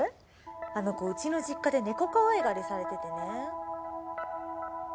あの子うちの実家で猫かわいがりされててね。